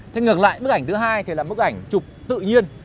thế ngược lại bức ảnh thứ hai thì là bức ảnh chụp tự nhiên